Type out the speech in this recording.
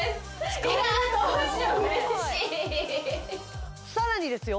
いやどうしよう嬉しいさらにですよ